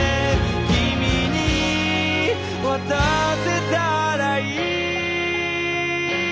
「君に渡せたらいい」